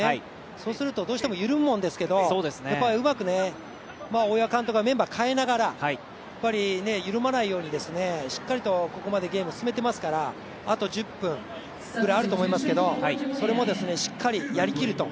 そうするとどうしても緩むんですけどうまく大岩監督はメンバーを代えながら緩まないように、しっかりとここまでゲーム進めてますからあと１０分、あると思いますけどそれも、しっかりやりきると。